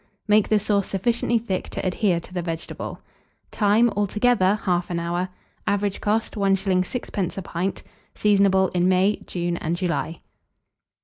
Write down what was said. Make the sauce sufficiently thick to adhere to the vegetable. Time. Altogether, 1/2 hour. Average cost, 1s. 6d. a pint. Seasonable in May, June, and July.